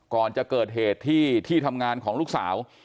ก่อนจะเกิดเหตุที่ที่ทำงานของลูกสาว